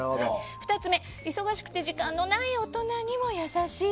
２つ目、忙しくて時間のない大人にも優しい。